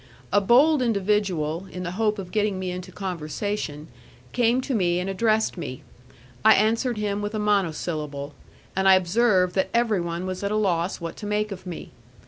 A bold individual, in the hope of getting me into conversation, came to me and addressed me; I answered him with a monosyllable, and I observed that everyone was at a loss what to make of me.